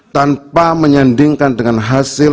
tanpa menyandingkan dengan hasil